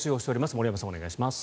森山さん、お願いします。